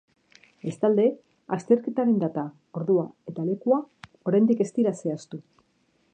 Bestalde, azterketaren data, ordua eta lekua oraindik ez dira zehaztu.